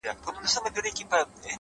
• زړه یوسې او پټ یې په دسمال کي کړې بدل؛